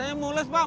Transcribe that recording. saya mau les pak